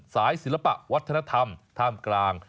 ศิลปะวัฒนธรรมท่ามกลาง